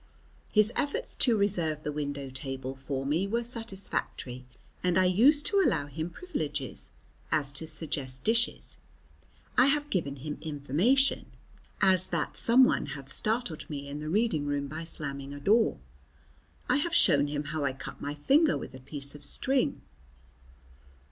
His efforts to reserve the window table for me were satisfactory, and I used to allow him privileges, as to suggest dishes; I have given him information, as that someone had startled me in the reading room by slamming a door; I have shown him how I cut my finger with a piece of string.